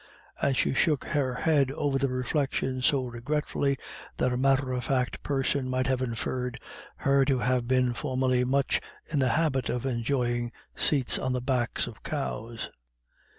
And she shook her head over the reflection so regretfully that a matter of fact person might have inferred her to have been formerly much in the habit of enjoying seats on the backs of cows.